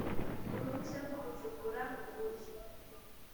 uruhushya rwo gucukura kuburyo